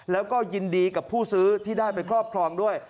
แล้วก็ยินดีกับผู้ซื้อที่ได้ไปครอบครองด้วย